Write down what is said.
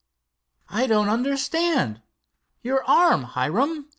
"I don't understand. Your arm, Hiram?"